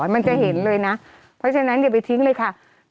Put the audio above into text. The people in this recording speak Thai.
มันจะเห็นเลยนะเพราะฉะนั้นอย่าไปทิ้งเลยค่ะ